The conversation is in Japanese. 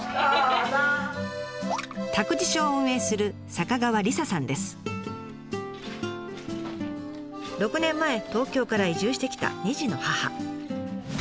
託児所を運営する６年前東京から移住してきた２児の母。